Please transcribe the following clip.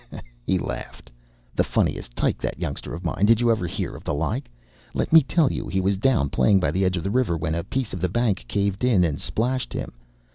ha!" he laughed. "The funniest tike, that youngster of mine! Did you ever hear the like? Let me tell you. He was down playing by the edge of the river when a piece of the bank caved in and splashed him.